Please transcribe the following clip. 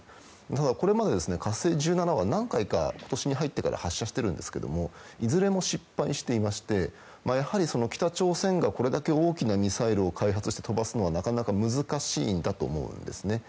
ただこれまで「火星１７」は何回か今年に入ってから発射しているんですがいずれも失敗していまして北朝鮮がこれだけ大きなミサイルを開発して飛ばすのはなかなか難しいんだと思うんですね。